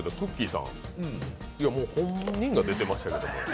さん、いやもう、本人が出てましたけど。